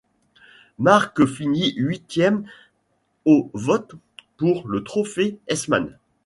Marques finit huitième aux votes pour le Trophée Heisman.